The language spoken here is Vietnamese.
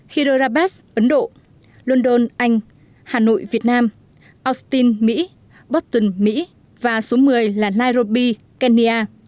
hirorabas ấn độ london anh hà nội việt nam austin mỹ boton mỹ và số một mươi là nairobi kenya